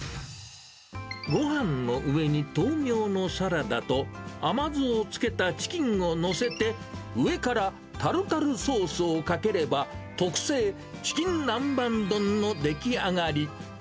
ごはんの上に豆苗のサラダと、甘酢をつけたチキンを載せて、上からタルタルソースをかければ、特製チキン南蛮丼の出来上がり。